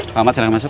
selamat jalan masuk